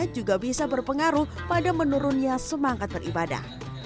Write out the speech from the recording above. juga bisa berpengaruh pada menurunnya semangat beribadah